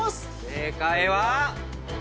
正解は。